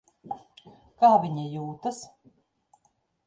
Kā viņa jūtas?